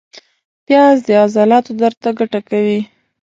پیاز د عضلاتو درد ته ګټه کوي